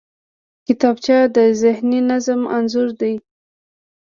کتابچه د ذهني نظم انځور دی